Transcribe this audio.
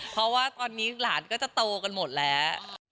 เพราะว่าตอนนี้หลานก็จะโตกันหมดแล้ว